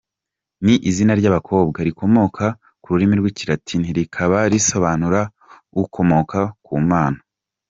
Ni izina ry’abakobwa rikomoka ku rurimi rw’Ikilatini rikaba risobanura “ukomoka ku Mana”.